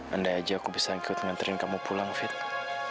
andai aja aku bisa ikut nganterin kamu pulang vita